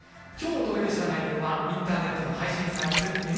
今日お届けした内容はインターネットの配信サービス